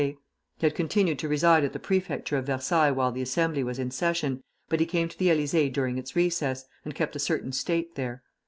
He had continued to reside at the Prefecture of Versailles while the Assembly was in session, but he came to the Élysée during its recess, and kept a certain state there.